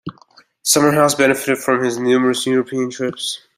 The summer house benefited from his numerous European trips.